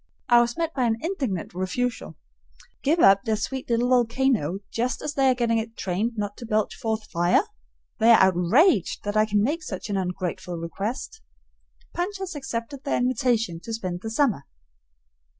I was met by an indignant refusal. Give up their sweet little volcano just as they are getting it trained not to belch forth fire? They are outraged that I can make such an ungrateful request. Punch has accepted their invitation to spend the summer.